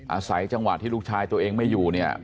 อาศัยจังหวะที่ลูกชายตัวเองไม่อยู่เนี่ย